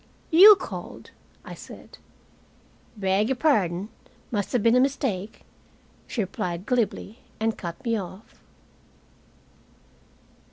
"You called," I said. "Beg y'pardon. Must have been a mistake," she replied glibly, and cut me off.